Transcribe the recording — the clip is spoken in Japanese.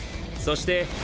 そして。